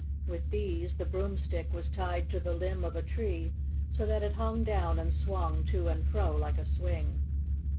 With these the broomstick was tied to the limb of a tree, so that it hung down and swung to and fro like a swing.